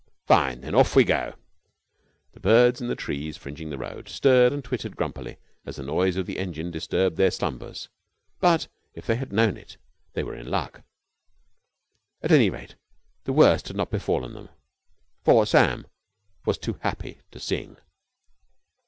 Fine! Then off we go." The birds in the trees fringing the road stirred and twittered grumpily as the noise of the engine disturbed their slumbers. But, if they had known it, they were in luck. At any rate, the worst had not befallen them, for Sam was too happy to sing.